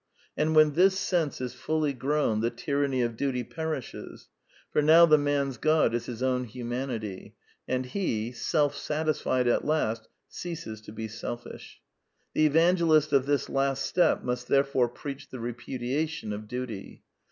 And when this sense is fully grown the tyranny of duty perishes; for now the man's God is his own humanity; and he, self satisfied at last, ceases to be selfish. The evangelist of this last step must therefore preach the repudiation of duty.